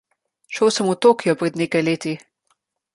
Šel sem v Tokio pred nekaj leti.